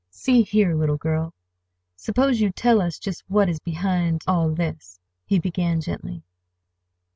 "See here, little girl, suppose you tell us just what is behind—all this," he began gently.